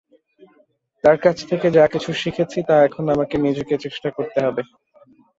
তার কাছ থেকে যা কিছু শিখেছি, তা এখন আমাকে নিজেকে চেষ্টা করতে হবে।